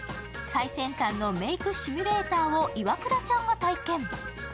最先端のメイクシミュレーターをイワクラちゃんが体験。